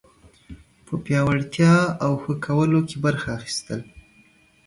په پیاوړتیا او ښه کولو کې برخه اخیستل